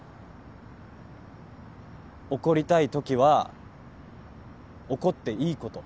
怒りたいときは怒っていいこと。